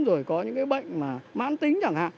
rồi có những bệnh mãn tính